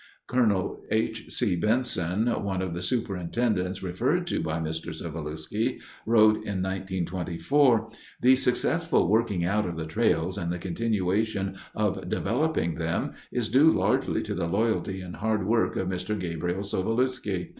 Col. H. C. Benson, one of the superintendents referred to by Mr. Sovulewski, wrote in 1924: The successful working out of the trails and the continuation of developing them is due largely to the loyalty and hard work of Mr. Gabriel Sovulewski.